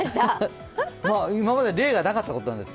今まで例がなかったことなんです。